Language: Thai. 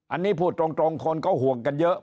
อันนี้พูดตรงคนก็ห่วงกันเยอะ